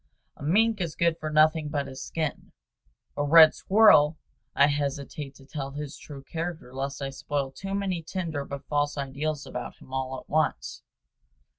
A mink is good for nothing but his skin; a red squirrel I hesitate to tell his true character lest I spoil too many tender but false ideals about him all at once.